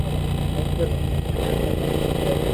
ڪيڪر ھون ئي ٿني ھمج آوي کپي